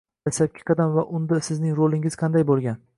Dastlabki qadam va unda sizning rolingiz qanday boʻlgan?